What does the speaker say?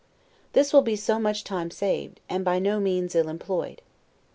This will be so much time saved, and by no means ill employed.